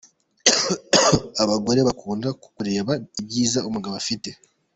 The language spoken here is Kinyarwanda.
Abagore bakunda kureba ibyiza umugabo afite.